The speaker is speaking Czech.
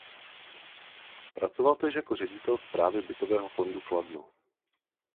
Pracoval též jako ředitel Správy bytového fondu Kladno.